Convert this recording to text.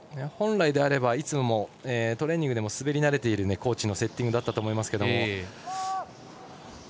本来であればトレーニングでも滑り慣れているコーチのセッティングだったと思いますが。